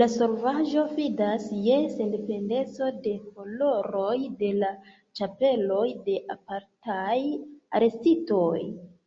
La solvaĵo fidas je sendependeco de koloroj de la ĉapeloj de apartaj arestitoj.